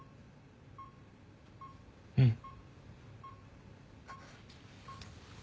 うん。